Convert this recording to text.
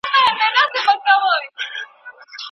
څوک به څرنګه ځان ژغوري له شامته